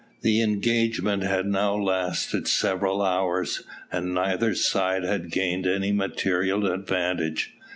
The engagement had now lasted several hours, and neither side had gained any material advantage.